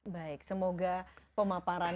baik semoga pemaparan